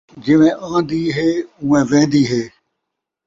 جیویں آن٘دی ہے ، اون٘ویں وین٘دی ہے